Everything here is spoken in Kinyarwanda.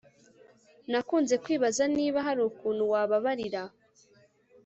nakunze kwibaza niba hari ukuntu wababarira